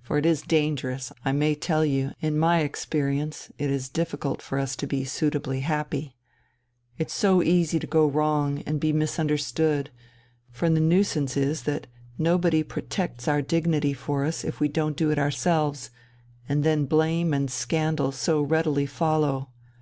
For it is dangerous, I may tell you, in my experience it is difficult for us to be suitably happy. It's so easy to go wrong and be misunderstood, for the nuisance is that nobody protects our dignity for us if we don't do it ourselves, and then blame and scandal so readily follow....